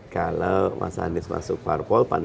kalau mas anies masuk parpol